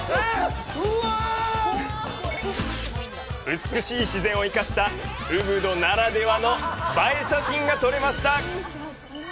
美しい自然を生かしたウブドならではの映え写真が撮れました！